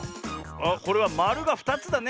あっこれはまるが２つだね。